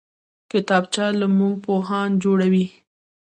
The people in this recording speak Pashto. کتابچه له موږ پوهان جوړوي